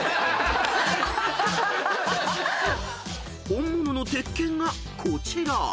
［本物の鉄拳がこちら］